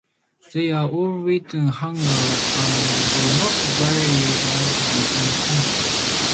They are all written in Hangul and do not vary largely in content.